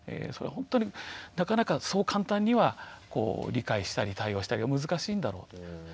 それはほんとになかなかそう簡単には理解したり対応したりが難しいんだろうと。